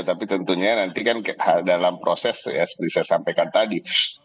tapi tentunya nanti kan dalam proses ya seperti saya sampaikan tadi